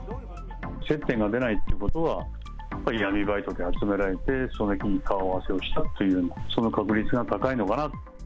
接点が出ないということは、やっぱり闇バイトで集められて、その日に顔合わせをしたという、その確率が高いのかな。